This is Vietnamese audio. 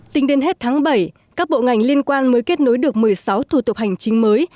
tính đến hết tháng bảy các bộ ngành liên quan mới kết nối được một mươi sáu thủ tục hành chính mới